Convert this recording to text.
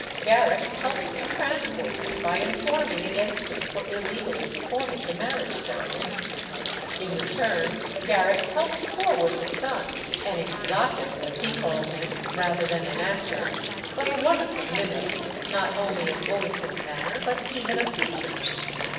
Garrick helped to transport him by informing against him for illegally performing the marriage ceremony. In return, Garrick helped forward the son "an exotic," as he called him, rather than an actor but a wonderful mimic, not only of voice and manner, but even of features.